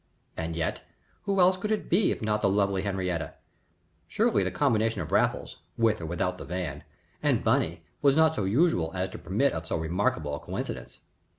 And yet who else could it be if not the lovely Henriette? Surely the combination of Raffles, with or without the Van, and Bunny was not so usual as to permit of so remarkable a coincidence.